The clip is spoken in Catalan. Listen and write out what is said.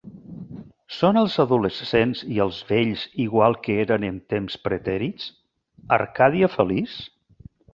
Són els adolescents i els vells igual que eren en temps pretèrits? Arcàdia feliç?